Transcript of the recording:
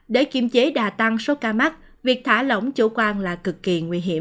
để kiểm chế đà tăng số ca mắc việc thả lỏng chỗ quan là cực kỳ nguy hiểm